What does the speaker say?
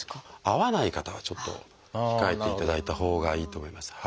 合わない方はちょっと控えていただいたほうがいいと思います。